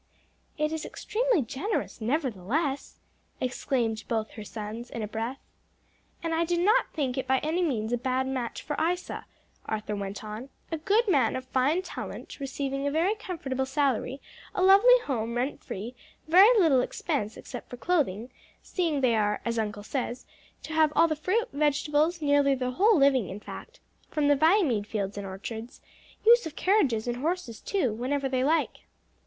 "It is extremely generous, nevertheless!" exclaimed both her sons in a breath. "And I do not think it by any means a bad match for Isa," Arthur went on "a good man, of fine talent, receiving a very comfortable salary, a lovely home rent free, very little expense except for clothing, seeing they are as uncle says to have all the fruit, vegetables, nearly their whole living, in fact, from the Viamede fields and orchards; use of carriages and horses too, whenever they like."